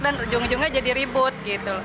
dan ujung ujungnya jadi ribut